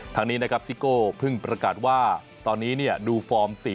ทางนี้นะครับซิโก้เพิ่งประกาศว่าตอนนี้ดูฟอร์ม๔